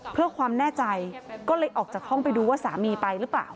เพื่อความแน่ใจก็เลยออกจากห้องไปดูว่าสามีไปหรือเปล่า